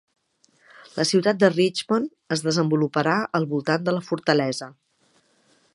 La ciutat de Richmond es desenvoluparà al voltant de la fortalesa.